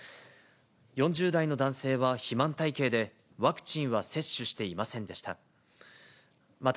４０代の男性は肥満体形で、ワクチンは接種していませんでした。